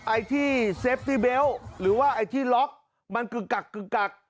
ไอที่เซฟตี้เบลต์หรือไอที่ล็อกมันกึกกัก